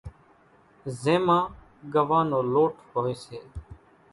زين مان ڳوان نو لوٽ ھوئي سي،